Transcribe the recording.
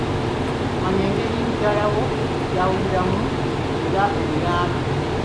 Manya engeri mukyalawo gy'awuliramu era omuyambe.